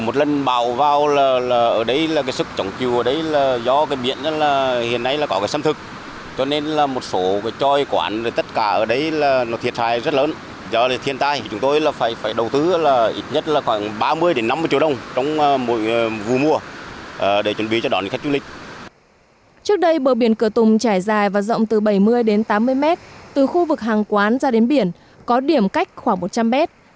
trước đây bờ biển cửa tùng trải dài và rộng từ bảy mươi đến tám mươi mét từ khu vực hàng quán ra đến biển có điểm cách khoảng một trăm linh mét